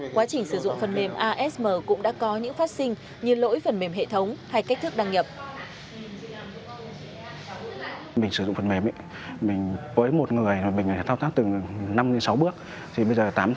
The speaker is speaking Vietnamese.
quá trình sử dụng phần mềm asm cũng đã có những phát sinh như lỗi phần mềm hệ thống hay cách thức đăng nhập